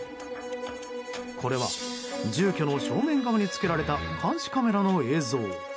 これは住居の正面側につけられた監視カメラの映像。